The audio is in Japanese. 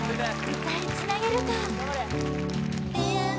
歌いつなげるか？